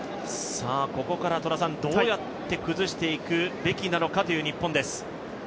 ここからどうやって崩していくべきなのかという日本です。